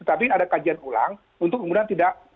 tapi ada kajian ulang untuk kemudian tidak